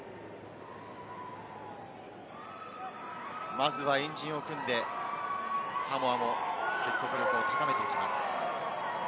まずは円陣を組んで、サモアも結束力を高めていきます。